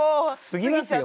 過ぎますよ